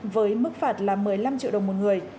với mức phạt là một mươi năm triệu đồng một người